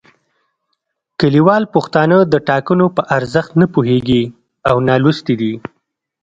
کلیوال پښتانه د ټاکنو په ارزښت نه پوهیږي او نالوستي دي